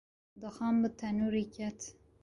Dixan bi tenûrê ket.